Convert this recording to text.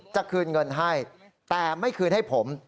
จะคืนเงินให้แต่ไม่คืนให้ผม